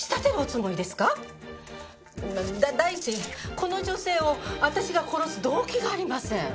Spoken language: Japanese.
第一この女性を私が殺す動機がありません。